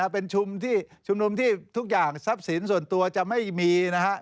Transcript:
เป็นชุมที่ชุมนุมที่ทุกอย่างทรัพย์สินส่วนตัวจะไม่มีนะฮะ